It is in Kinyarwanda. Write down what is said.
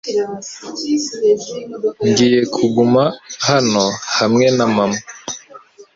Ngiye kuguma hano hamwe na mama.